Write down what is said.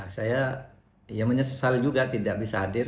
saya menyesal juga tidak bisa hadir